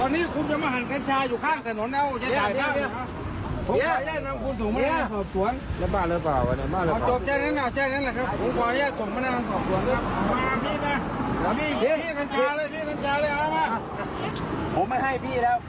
ไม่มีใบนะไม่มีใบรับอนุญาตนะครับ